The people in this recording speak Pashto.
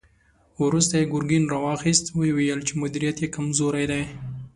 وروسته يې ګرګين را واخيست، ويې ويل چې مديريت يې کمزوری دی.